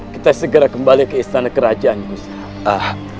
kita segera kembali ke istana kerajaan gus